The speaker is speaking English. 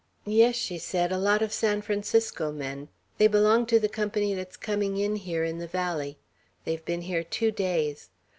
"Yes," she said, "a lot of San Francisco men; they belong to the company that's coming in here in the valley; they've been here two days.